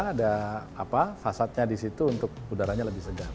ada fasadnya di situ untuk udaranya lebih segar